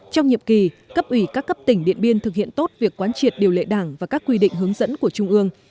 trong nhiệm kỳ cấp ủy các cấp tỉnh điện biên thực hiện tốt việc quán triệt điều lệ đảng và các quy định hướng dẫn của trung ương